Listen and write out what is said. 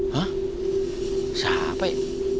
hah siapa ini